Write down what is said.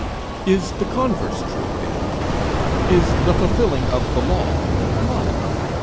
Is the converse true then? Is the fulfilling of the law love?